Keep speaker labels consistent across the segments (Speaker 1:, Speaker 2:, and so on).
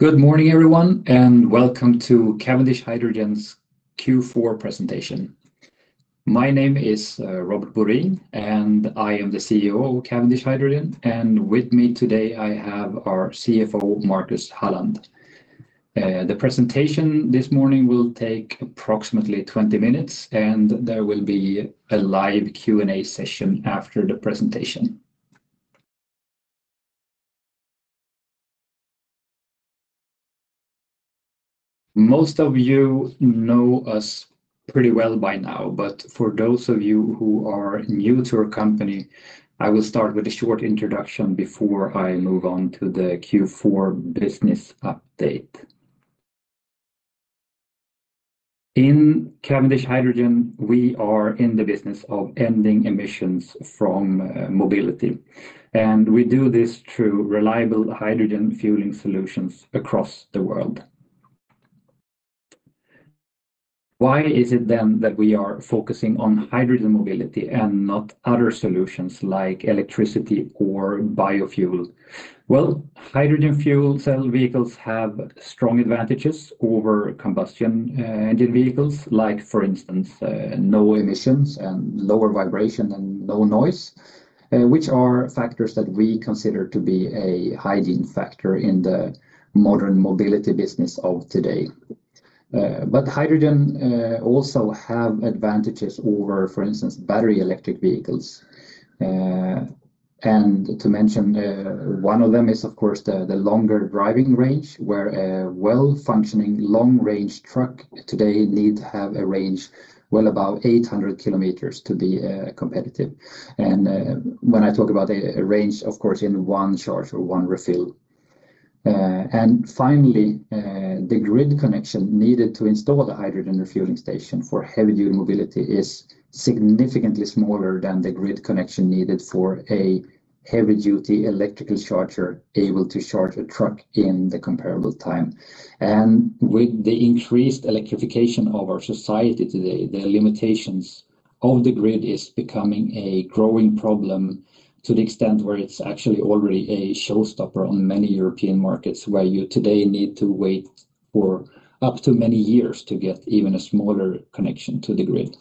Speaker 1: Good morning, everyone, welcome to Cavendish Hydrogen's Q4 presentation. My name is Robert Borin, I am the Chief Executive Officer of Cavendish Hydrogen, with me today I have our Chief Financial Officer, Marcus Halland. The presentation this morning will take approximately 20 minutes, there will be a live Q&A session after the presentation. Most of you know us pretty well by now, for those of you who are new to our company, I will start with a short introduction before I move on to the Q4 business update. In Cavendish Hydrogen, we are in the business of ending emissions from mobility, we do this through reliable hydrogen fueling solutions across the world. Why is it then that we are focusing on hydrogen mobility and not other solutions like electricity or biofuel? Well, hydrogen fuel cell vehicles have strong advantages over combustion engine vehicles, like, for instance, no emissions and lower vibration and no noise, which are factors that we consider to be a hygiene factor in the modern mobility business of today. Hydrogen also have advantages over, for instance, battery electric vehicles. To mention one of them is of course, the longer driving range, where a well-functioning long-range truck today need to have a range well above 800 km to be competitive. When I talk about a range, of course, in one charge or one refill. Finally, the grid connection needed to install the hydrogen refueling station for heavy-duty mobility is significantly smaller than the grid connection needed for a heavy-duty electrical charger able to charge a truck in the comparable time. With the increased electrification of our society today, the limitations of the grid is becoming a growing problem to the extent where it's actually already a showstopper on many European markets, where you today need to wait for up to many years to get even a smaller connection to the grid.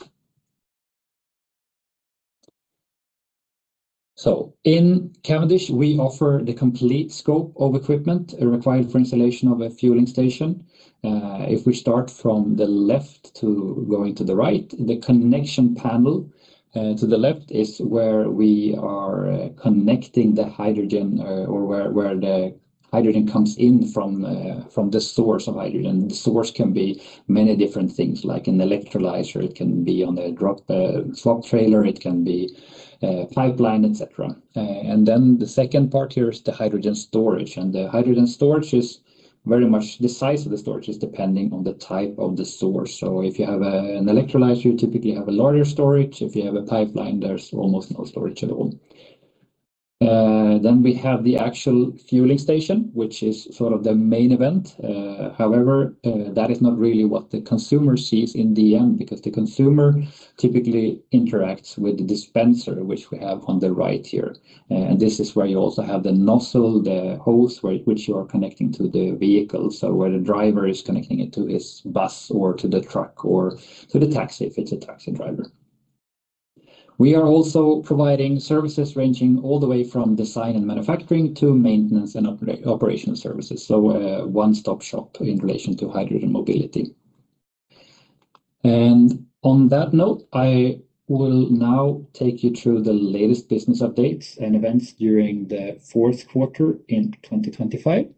Speaker 1: In Cavendish, we offer the complete scope of equipment required for installation of a fueling station. If we start from the left to going to the right, the connection panel to the left is where we are connecting the hydrogen, or where the hydrogen comes in from the source of hydrogen. The source can be many different things, like an electrolyzer, it can be on a drop swap trailer, it can be pipeline, etc. Then the second part here is the hydrogen storage. The hydrogen storage is very much the size of the storage is depending on the type of the source. If you have a, an electrolyzer, you typically have a larger storage. If you have a pipeline, there's almost no storage at all. We have the actual fueling station, which is sort of the main event. However, that is not really what the consumer sees in the end, because the consumer typically interacts with the dispenser, which we have on the right here. This is where you also have the nozzle, the hose, where, which you are connecting to the vehicle, so where the driver is connecting it to his bus or to the truck or to the taxi, if it's a taxi driver. We are also providing services ranging all the way from design and manufacturing to maintenance and operational services. One-stop shop in relation to hydrogen mobility. On that note, I will now take you through the latest business updates and events during the fourth quarter in 2025.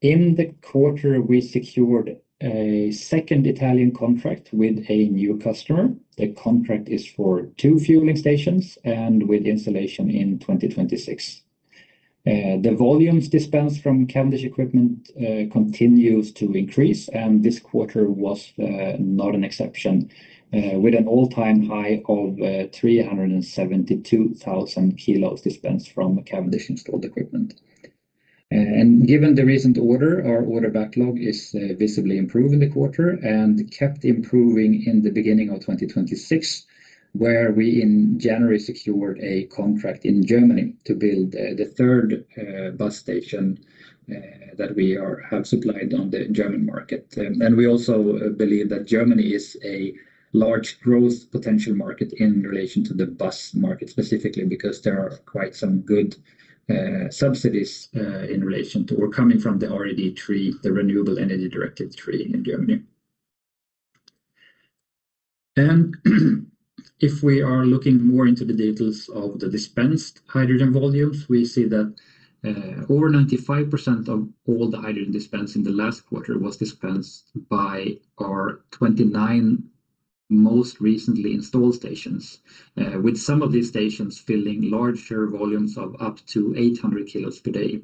Speaker 1: In the quarter, we secured a second Italian contract with a new customer. The contract is for two fueling stations and with installation in 2026. The volumes dispensed from Cavendish equipment continues to increase, and this quarter was not an exception, with an all-time high of 372,000 kilos dispensed from Cavendish installed equipment. Given the recent order, our order backlog is visibly improved in the quarter and kept improving in the beginning of 2026, where we in January secured a contract in Germany to build the third bus station that we have supplied on the German market. We also believe that Germany is a large growth potential market in relation to the bus market, specifically because there are quite some good subsidies coming from the RED III, the Renewable Energy Directive III in Germany. If we are looking more into the details of the dispensed hydrogen volumes, we see that over 95% of all the hydrogen dispensed in the last quarter was dispensed by our 29 most recently installed stations, with some of these stations filling larger volumes of up to 800 kilos per day.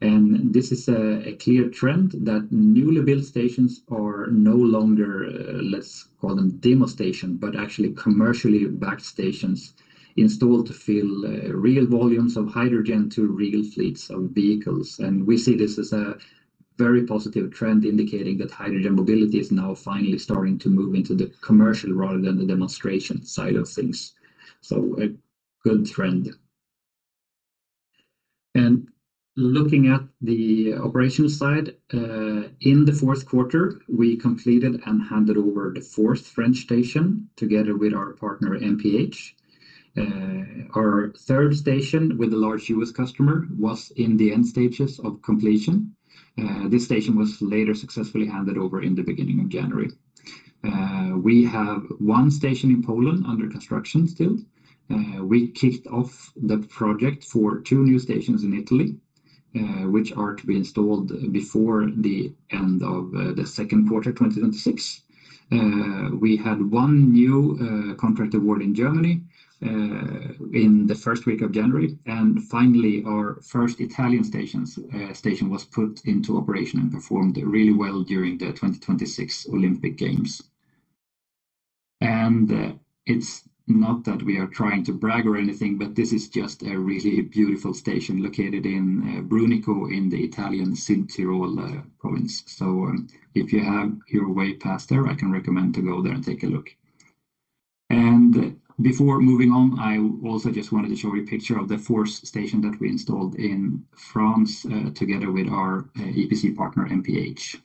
Speaker 1: This is a clear trend that newly built stations are no longer, let's call them demo station, but actually commercially backed stations installed to fill real volumes of hydrogen to real fleets of vehicles. We see this as a. Very positive trend indicating that hydrogen mobility is now finally starting to move into the commercial rather than the demonstration side of things. A good trend. Looking at the operational side, in the fourth quarter, we completed and handed over the fourth French station together with our partner, MPH. Our third station with a large U.S customer was in the end stages of completion. This station was later successfully handed over in the beginning of January. We have one station in Poland under construction still. We kicked off the project for two new stations in Italy, which are to be installed before the end of the second quarter, 2026. We had one new contract award in Germany, in the first week of January. Finally, our first Italian station was put into operation and performed really well during the 2026 Olympic Games. It's not that we are trying to brag or anything, but this is just a really beautiful station located in Brunico, in the Italian Südtirol province. If you have your way past there, I can recommend to go there and take a look. Before moving on, I also just wanted to show you a picture of the fourth station that we installed in France, together with our EPC partner, MPH.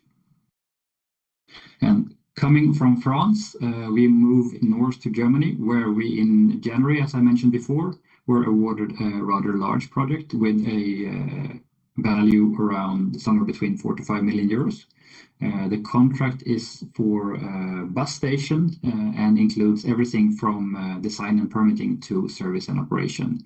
Speaker 1: Coming from France, we move north to Germany, where we, in January, as I mentioned before, were awarded a rather large project with a value around somewhere between 4 million-5 million euros. The contract is for a bus station and includes everything from design and permitting to service and operation.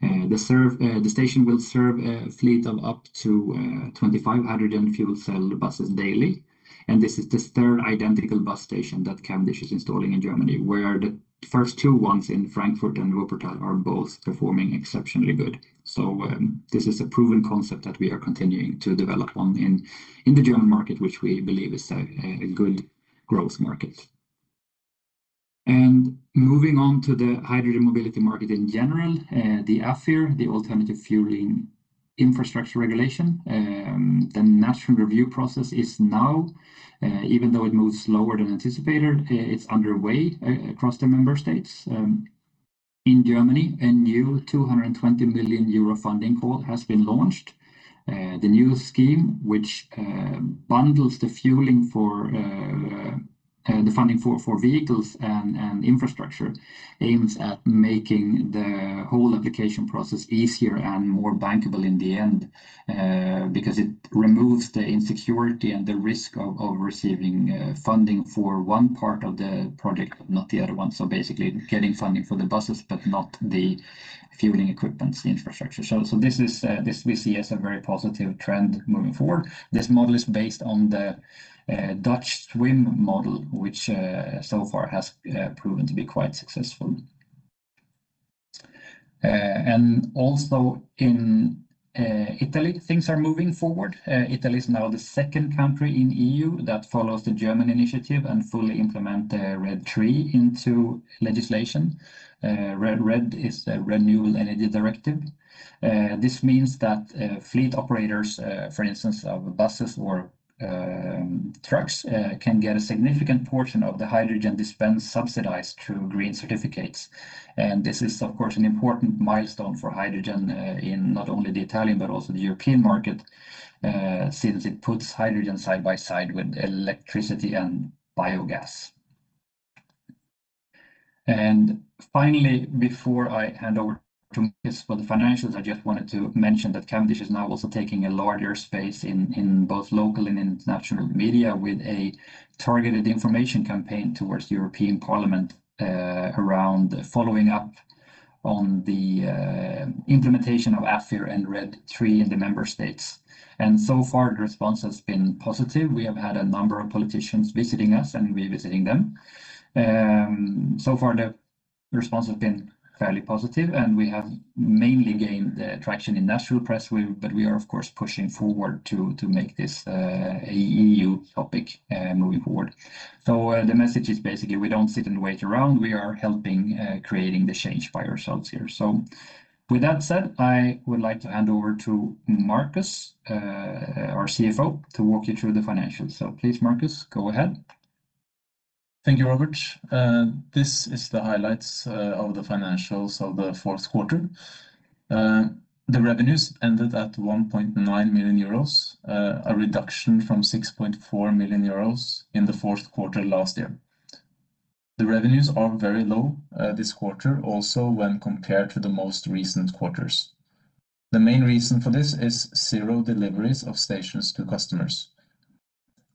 Speaker 1: The station will serve a fleet of up to 25 hydrogen fuel cell buses daily, and this is the third identical bus station that Cavendish is installing in Germany, where the first two ones in Frankfurt and Wuppertal are both performing exceptionally good. This is a proven concept that we are continuing to develop on in the German market, which we believe is a good growth market. Moving on to the hydrogen mobility market in general, the AFIR, the Alternative Fuels Infrastructure Regulation, the national review process is now, even though it moves slower than anticipated, it's underway across the member states. In Germany, a new 220 million euro funding call has been launched. The new scheme, which bundles the fueling for the funding for vehicles and infrastructure, aims at making the whole application process easier and more bankable in the end, because it removes the insecurity and the risk of receiving funding for one part of the project, but not the other one. Basically getting funding for the buses, but not the fueling equipment infrastructure. This is this we see as a very positive trend moving forward. This model is based on the Dutch SWIM model, which so far has proven to be quite successful. Also in Italy, things are moving forward. Italy is now the second country in EU that follows the German initiative and fully implement the RED III into legislation. RED is the Renewable Energy Directive. This means that fleet operators, for instance, of buses or trucks, can get a significant portion of the hydrogen dispensed subsidized through green certificates. This is, of course, an important milestone for hydrogen, in not only the Italian, but also the European market, since it puts hydrogen side by side with electricity and biogas. Finally, before I hand over to Marcus for the financials, I just wanted to mention that Cavendish is now also taking a larger space in both local and international media, with a targeted information campaign towards the European Parliament, around following up on the implementation of AFIR and RED III in the member states. So far, the response has been positive. We have had a number of politicians visiting us, and we're visiting them. So far, the response has been fairly positive, and we have mainly gained traction in national press. We are, of course, pushing forward to make this a EU topic, moving forward. The message is basically, we don't sit and wait around. We are helping creating the change by ourselves here. With that said, I would like to hand over to Marcus, our Chief Financial Officer, to walk you through the financials. Please, Marcus, go ahead.
Speaker 2: Thank you, Robert. This is the highlights of the financials of the fourth quarter. The revenues ended at 1.9 million euros, a reduction from 6.4 million euros in the fourth quarter last year. The revenues are very low this quarter, also when compared to the most recent quarters. The main reason for this is zero deliveries of stations to customers.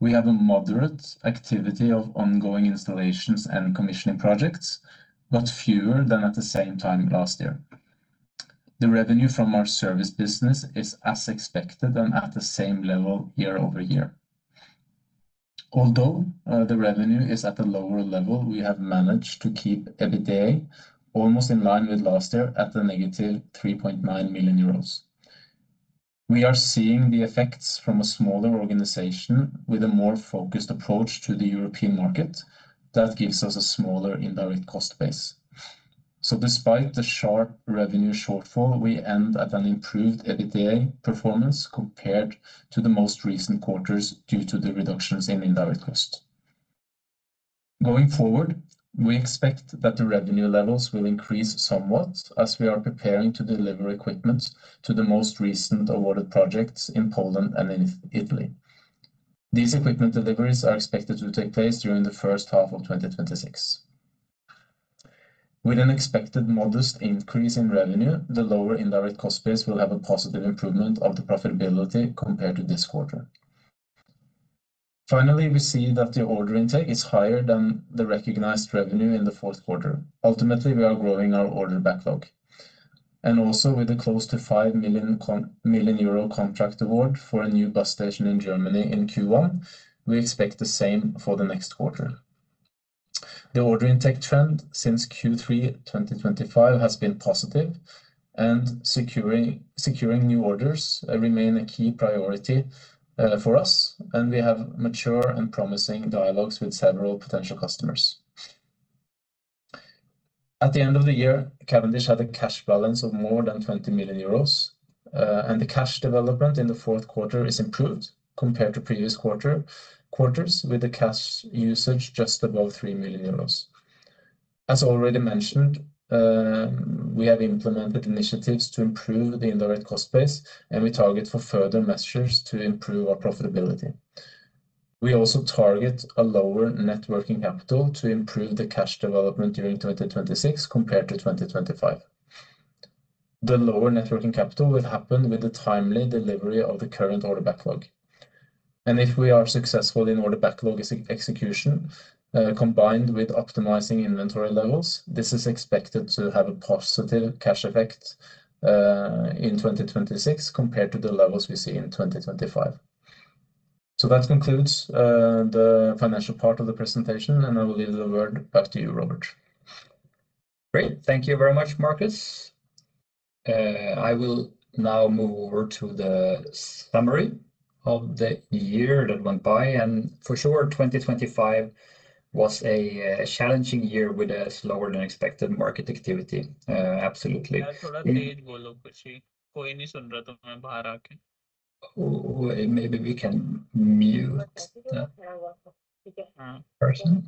Speaker 2: We have a moderate activity of ongoing installations and commissioning projects, but fewer than at the same time last year. The revenue from our service business is as expected and at the same level year-over-year. Although the revenue is at a lower level, we have managed to keep EBITDA almost in line with last year, at a negative 3.9 million euros. We are seeing the effects from a smaller organization with a more focused approach to the European market. That gives us a smaller indirect cost base. Despite the sharp revenue shortfall, we end at an improved EBITDA performance compared to the most recent quarters due to the reductions in indirect costs. Going forward, we expect that the revenue levels will increase somewhat as we are preparing to deliver equipment to the most recent awarded projects in Poland and in Italy. These equipment deliveries are expected to take place during the first half of 2026. With an expected modest increase in revenue, the lower indirect cost base will have a positive improvement of the profitability compared to this quarter. We see that the order intake is higher than the recognized revenue in the fourth quarter. Ultimately, we are growing our order backlog, with the close to 5 million contract award for a new bus station in Germany in Q1, we expect the same for the next quarter. The order intake trend since Q3 2025 has been positive. Securing new orders remain a key priority for us, and we have mature and promising dialogues with several potential customers. At the end of the year, Cavendish had a cash balance of more than 20 million euros. The cash development in the fourth quarter is improved compared to previous quarters, with the cash usage just above 3 million euros. As already mentioned, we have implemented initiatives to improve the indirect cost base. We target for further measures to improve our profitability. We also target a lower net working capital to improve the cash development during 2026 compared to 2025. The lower net working capital will happen with the timely delivery of the current order backlog. If we are successful in order backlog execution, combined with optimizing inventory levels, this is expected to have a positive cash effect in 2026 compared to the levels we see in 2025. That concludes the financial part of the presentation, and I will give the word back to you, Robert.
Speaker 1: Great. Thank you very much, Marcus. I will now move over to the summary of the year that went by. For sure, 2025 was a challenging year with a slower-than-expected market activity, absolutely. Wait, maybe we can mute that person.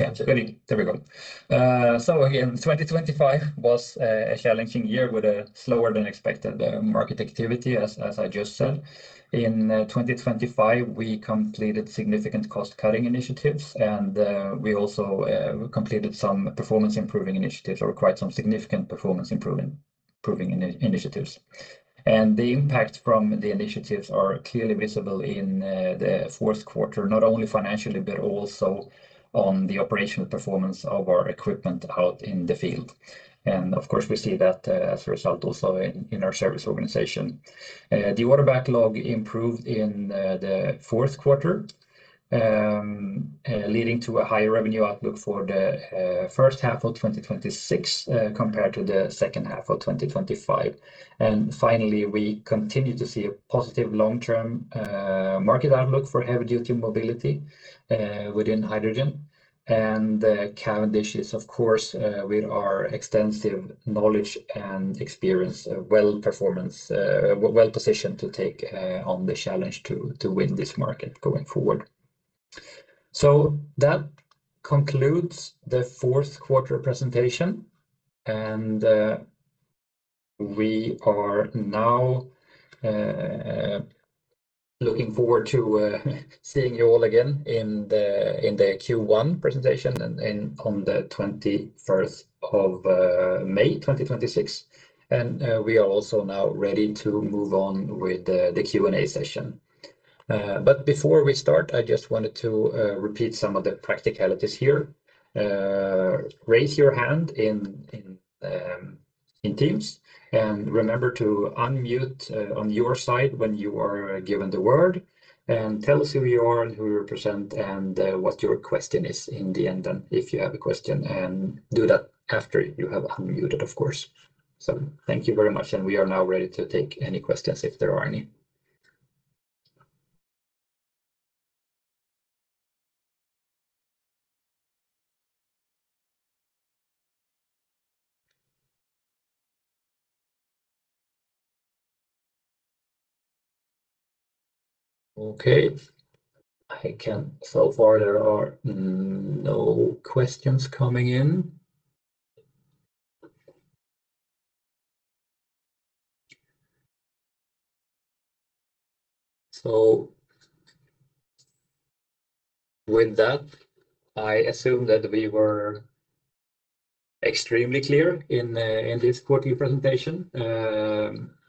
Speaker 1: Yeah, there we go. Again, 2025 was a challenging year with a slower-than-expected market activity, as I just said. In 2025, we completed significant cost-cutting initiatives, and we also completed some performance-improving initiatives or quite some significant performance-improving initiatives. The impact from the initiatives are clearly visible in the fourth quarter, not only financially, but also on the operational performance of our equipment out in the field. Of course, we see that as a result also in our service organization. The order backlog improved in the fourth quarter, leading to a higher revenue outlook for the first half of 2026 compared to the second half of 2025. Finally, we continue to see a positive long-term market outlook for heavy-duty mobility within hydrogen. Cavendish is, of course, with our extensive knowledge and experience, well performance, well-positioned to take on the challenge to win this market going forward. That concludes the fourth quarter presentation. We are now looking forward to seeing you all again in the Q1 presentation on the 21st of May 2026. We are also now ready to move on with the Q&A session. Before we start, I just wanted to repeat some of the practicalities here. Raise your hand in Teams, and remember to unmute on your side when you are given the word, and tell us who you are and who you represent, and what your question is in the end, and if you have a question, and do that after you have unmuted, of course. Thank you very much, and we are now ready to take any questions if there are any. Okay. So far there are no questions coming in. With that, I assume that we were extremely clear in this quarterly presentation,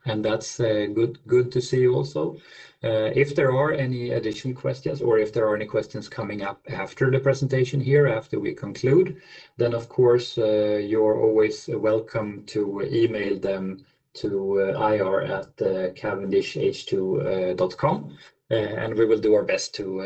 Speaker 1: and that's good to see you also. If there are any additional questions or if there are any questions coming up after the presentation here, after we conclude, then, of course, you're always welcome to email them to ir@cavendishh2.com, we will do our best to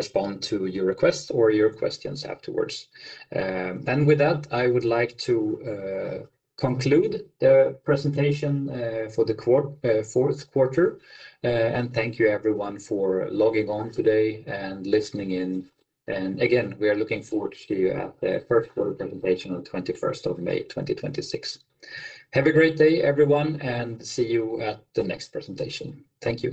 Speaker 1: respond to your request or your questions afterwards. With that, I would like to conclude the presentation for the fourth quarter. Thank you everyone for logging on today and listening in. Again, we are looking forward to see you at the first quarter presentation on 21st of May, 2026. Have a great day, everyone, and see you at the next presentation. Thank you.